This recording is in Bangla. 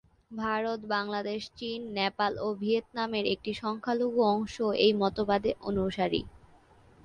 ভারত, বাংলাদেশ, চীন, নেপাল ও ভিয়েতনামের একটি সংখ্যালঘু অংশও এই মতবাদে অনুসারী।